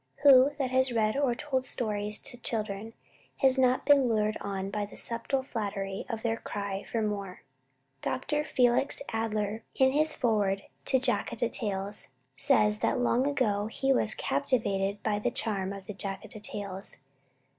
Who that has read or told stories to children has not been lured on by the subtle flattery of their cry for "more"? Dr. Felix Adler, in his Foreword to "Jataka Tales," says that long ago he was "captivated by the charm of the Jataka Tales."